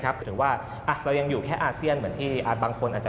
ถือว่าเรายังอยู่แค่อาเซียนเหมือนที่บางคนอาจจะ